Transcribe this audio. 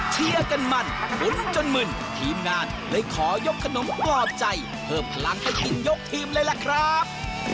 เชียร์กันมันหมุนจนมึนทีมงานเลยขอยกขนมปลอบใจเพิ่มพลังให้กินยกทีมเลยล่ะครับ